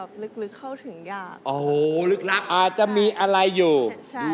สาวินตลอด